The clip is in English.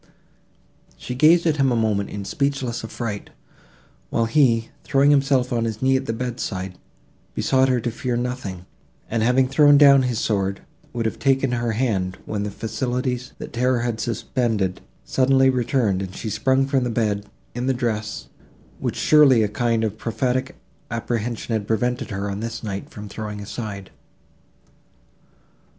She gazed at him for a moment in speechless affright, while he, throwing himself on his knee at the bedside, besought her to fear nothing, and, having thrown down his sword, would have taken her hand, when the faculties, that terror had suspended, suddenly returned, and she sprung from the bed, in the dress, which surely a kind of prophetic apprehension had prevented her, on this night, from throwing aside.